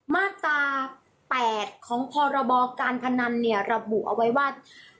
มาตรา๘ของพรบการพนันเนี่ยระบุเอาไว้ว่า